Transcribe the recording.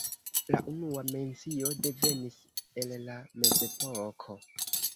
La unua mencio devenis el la mezepoko.